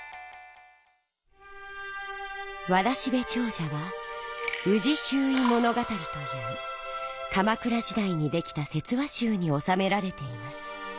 「わらしべ長者」は「宇治拾遺物語」という鎌倉時代にできた説話集におさめられています。